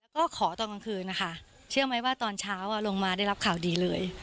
ก็ขอตอนกลางคืนนะคะเชื่อไหมว่าตอนเช้าลงมาได้รับข่าวดีเลย